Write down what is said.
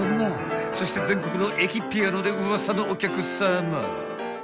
［そして全国の駅ピアノでウワサのお客さま］